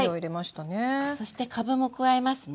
そしてかぶも加えますね。